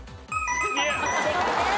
正解です。